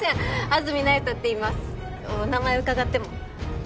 安積那由他っていいますお名前伺っても？